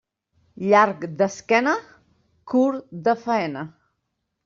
Llarg d'esquena, curt de faena.